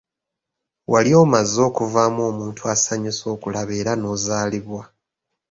Wali omaze okuvaamu omuntu asanyusa okulaba era n'ozaalibwa.